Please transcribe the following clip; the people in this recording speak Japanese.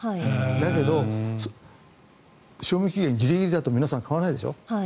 だけど賞味期限ギリギリだと皆さん買わないでしょ。